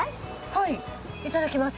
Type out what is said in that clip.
はいいただきます。